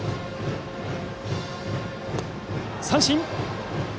三振！